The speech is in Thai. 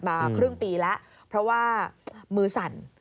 มาครึ่งปีแล้วเพราะว่ามือสั่น